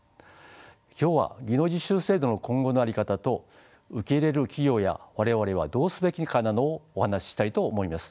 今日は技能実習制度の今後の在り方と受け入れる企業や我々はどうすべきなのかをお話ししたいと思います。